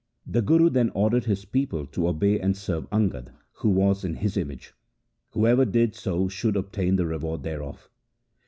The Guru then ordered his people to obey and serve Angad, who was in his image. Whoever did so should obtain the reward thereof.